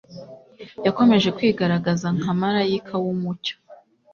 Yakomeje kwigaragaza nka malayika w'umucyo